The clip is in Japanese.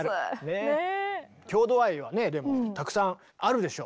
郷土愛はねでもたくさんあるでしょ？